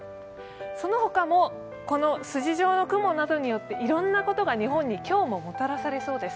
そのほかも、この筋状の雲などによっていろんなことが日本に、今日ももたらされそうです。